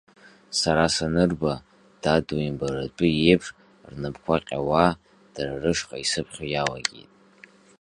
Сара санырба, Даду имбаратәы еиԥш, рнапқәа ҟьауа, дара рышҟа исыԥхьо иалагеит.